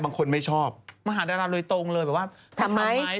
อันนี้ดาราสาวที่เรารู้จักแล้วก็ทำผู้คน